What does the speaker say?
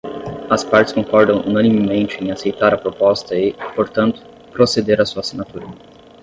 As partes concordam unanimemente em aceitar a proposta e, portanto, proceder à sua assinatura.